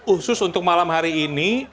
khusus untuk malam hari ini